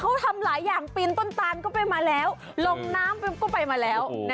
เขาทำหลายอย่างปีนต้นตานก็ไปมาแล้วลงน้ำก็ไปมาแล้ว